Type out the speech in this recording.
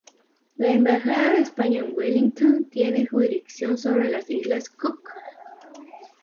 La Embajada de España en Wellington tiene jurisdicción sobre las Islas Cook.